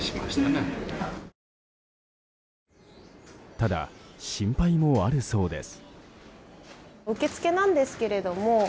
ただ、心配もあるそうです。